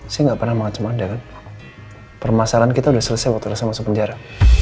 saya kemarin minta kezia baik baik sama anda